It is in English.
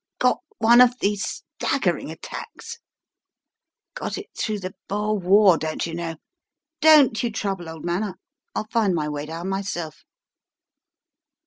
Got one of these stagger ing attacks — got it through the Boer War, dontcher know. Don't you trouble, old man, I'll find my way down myself."